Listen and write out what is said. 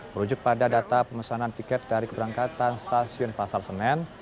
merujuk pada data pemesanan tiket dari keberangkatan stasiun pasar senen